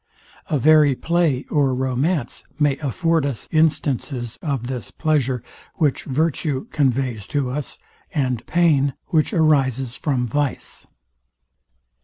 A very play or romance may afford us instances of this pleasure, which virtue conveys to us; and pain, which arises from vice.